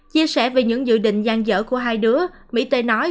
chia sẻ về những dự định gian dở của hai đứa mỹ tây nói